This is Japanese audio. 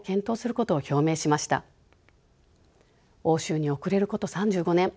欧州に遅れること３５年